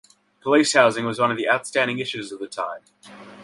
Police housing was one of the outstanding issues of the time.